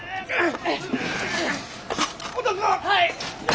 はい！